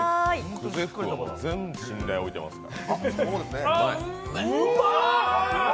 久世福には全信頼を置いてますから。